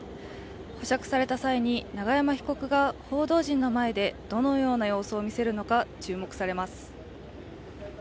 保釈された際に永山被告が報道陣の前でどのような様子を見せるのか、注目されます。